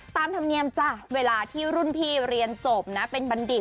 ตามธรรมเนียมจ้ะเวลาที่รุ่นพี่เรียนจบนะเป็นบัณฑิต